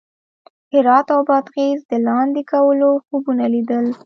هرات او بادغیس د لاندې کولو خوبونه لیدل.